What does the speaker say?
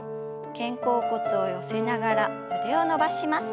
肩甲骨を寄せながら腕を伸ばします。